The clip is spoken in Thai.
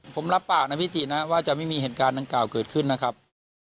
ผมรับปากนะพี่ตินะว่าจะไม่มีเหตุการณ์ดังกล่าวเกิดขึ้นนะครับ